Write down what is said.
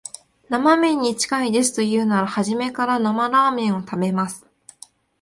生めんに近いですと言うなら、初めから生ラーメン食べます